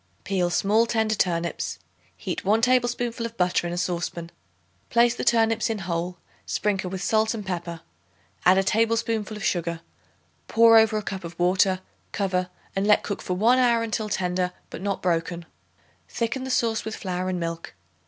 Peel small tender turnips; heat 1 tablespoonful of butter in a saucepan. Place the turnips in whole, sprinkle with salt and pepper; add a tablespoonful of sugar. Pour over a cup of water; cover and let cook for one hour until tender but not broken. Thicken the sauce with flour and milk.